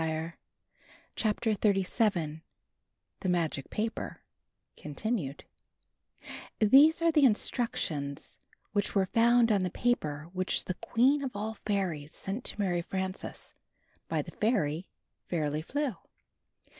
Mary Frances told me, g^^iriJilfltfal; (CDNTriNUETD) HESE are the instructions which were found on the paper which the Queen of All Fairies sent to Mary Frances by the fairy, Fairly Flew.